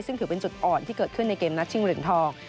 ซึ่งถือเป็นจุดอ่อนที่เกิดขึ้นในเกมนัดชิงเหรียญทอง